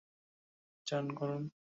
যান, করুন।